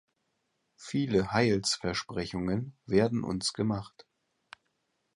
Viele Heilsversprechungen werden uns gemacht.